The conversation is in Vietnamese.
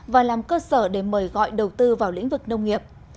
và làm cơ sở để mời gọi đầu tư vào lĩnh vực nông nghiệp